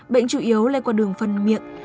bệnh chủ yếu lây qua đường phân miệng